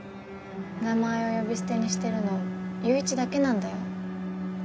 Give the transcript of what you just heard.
名前を呼び捨てにしてるの友一だけなんだよ。